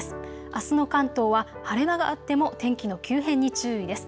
あすの関東は晴れ間があっても天気の急変に注意です。